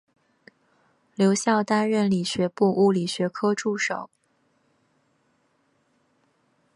留校担任理学部物理学科助手。